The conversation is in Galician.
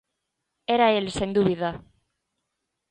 Era el, sen dúbida.